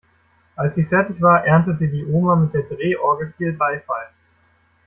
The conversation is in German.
Als sie fertig war, erntete die Oma mit der Drehorgel viel Beifall.